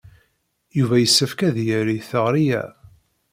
Yuba yessefk ad yerr i teɣri-a.